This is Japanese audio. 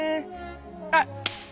あっ！